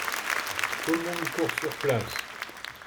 Tout le monde court sur place.